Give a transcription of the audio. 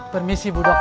permisi bu dokter